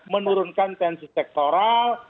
menurunkan pensi sektoral